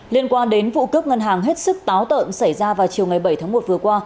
liên quan đến vụ cướp ngân hàng hết sức táo tợn xảy ra vào chiều ngày bảy tháng một vừa qua